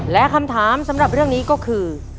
และคำถามสำหรับเรื่องนี้ก็คือ